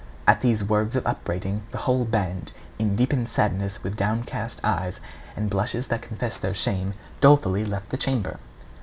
At these words of upbraiding, the whole band, in deepened sadness, with downcast eyes, and blushes that confessed their shame, dolefully left the chamber.